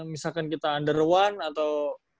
misalkan kita under one atau